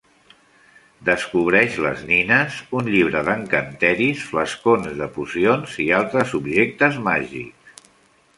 Descobreix les nines, un llibre d'encanteris, flascons de pocions i altres objectes màgics.